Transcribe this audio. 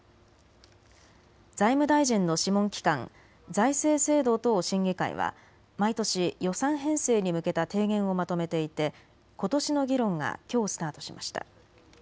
財務大臣の諮問機関、財政制度等審議会は毎年予算編成に向けた提言をまとめていて、ことしの議論がきょうスタートしました。